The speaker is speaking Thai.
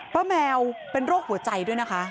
แมวเป็นโรคหัวใจด้วยนะคะ